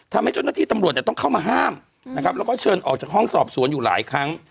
ทำให้เจ้าหน้าที่ตำรวจเนี่ยต้องเข้ามาห้ามนะครับแล้วก็เชิญออกจากห้องสอบสวนอยู่หลายครั้ง